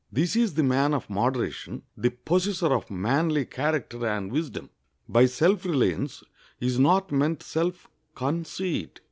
This is the man of moderation, the possessor of manly character and wisdom. By self reliance is not meant self conceit.